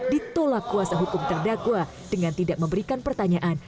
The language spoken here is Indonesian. ditolak kuasa hukum terdakwa dengan tidak memberikan pertanyaan